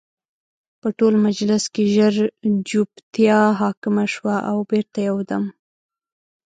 په ټول مجلس کې ژر جوپتیا حاکمه شوه او بېرته یو دم